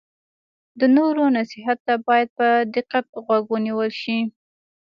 د نورو نصیحت ته باید په دقت غوږ ونیول شي.